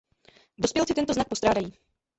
Dospělci tento znak postrádají.